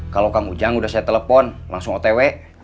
kalau kang ujang udah saya telepon langsung ott